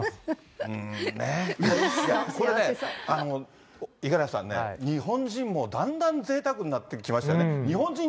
これね、五十嵐さんね、日本人もだんだんぜいたくになってきましたよね。